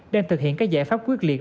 đang thực hiện các giải pháp quyết liệt